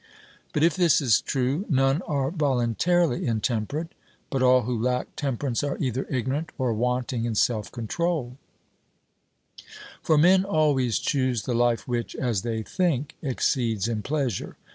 But if this is true, none are voluntarily intemperate, but all who lack temperance are either ignorant or wanting in self control: for men always choose the life which (as they think) exceeds in pleasure.